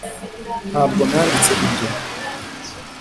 ntabwo nanditse ibyo